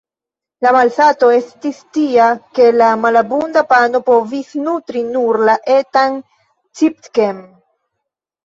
La malsato estis tia ke la malabunda pano povis nutri nur la etan Cipke-n.